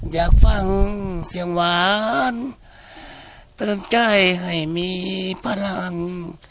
อยากฟังเสียงหวานเติมใจให้มีพลัง